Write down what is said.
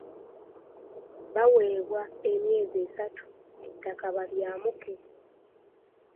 Baaweebwa emyezi esatu ettaka balyamuke.